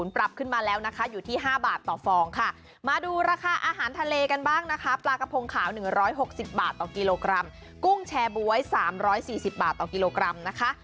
ปลากระพงขาวหนึ่งร้อยหกสิบบาทต่อกิโลกรัมกุ้งแชบวยสามร้อยสี่สิบบาทต่อกิโลกรัมนะคะ